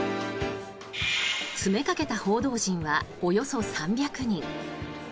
詰めかけた報道陣はおよそ３００人。